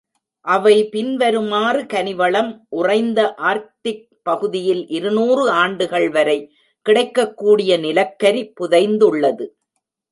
அவை பின்வருமாறு கனிவளம் உறைந்த ஆர்க்டிக் பகுதியில் இருநூறு ஆண்டுகள் வரை கிடைக்கக்கூடிய நிலக்கரி புதைந்துள்ளது.